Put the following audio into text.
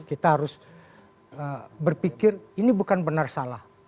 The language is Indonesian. kita harus berpikir ini bukan benar salah